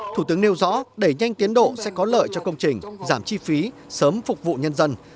thủ tướng nêu rõ đẩy nhanh tiến độ sẽ có lợi cho công trình giảm chi phí sớm phục vụ nhân dân